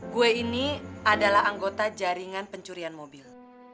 gue ini adalah anggota jaringan pencurian mobil